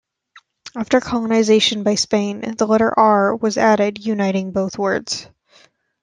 After colonisation by Spain, the letter "r" was added, uniting both words.